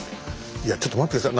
いやちょっと待って下さい。